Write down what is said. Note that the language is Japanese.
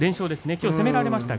きょう攻められましたが。